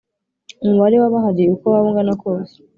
umubare w abahari uko waba ungana kose